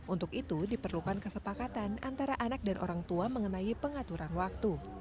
untuk itu diperlukan kesepakatan antara anak dan orang tua mengenai pengaturan waktu